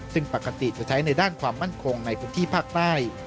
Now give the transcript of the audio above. ซึ่งปกติจะใช้ในด้านความมั่นคงในพื้นที่ภาคใต้